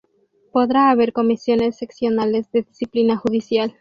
Podrá haber Comisiones Seccionales de Disciplina Judicial.